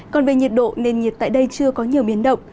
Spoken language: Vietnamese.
còn về nhiệt độ nền nhiệt tại đây chưa có nhiều biến động